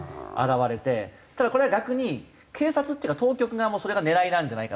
ただこれは逆に警察っていうか当局側もそれが狙いなんじゃないかなって。